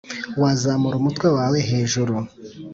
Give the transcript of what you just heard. wazamura umutwe wawe hejuru,